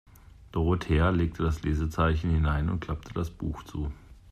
Dorothea legte das Lesezeichen hinein und klappte das Buch zu.